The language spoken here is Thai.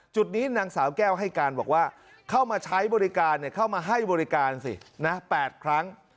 จุดนี้นางสาวแก้วให้การบอกว่าเข้ามาใช้บริการเข้ามาให้บริการสินะ๘ครั้ง